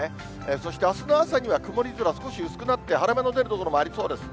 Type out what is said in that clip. そしてあすの朝には曇り空、少し薄くなって、晴れ間の出る所もありそうです。